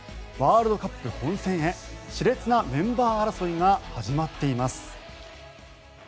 ワールドカップ本戦へ熾烈なメンバー争いが始まっています。